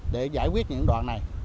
để giải quyết những đoạn này